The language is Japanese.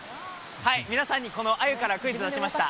皆さんに、このアユからクイズをしました。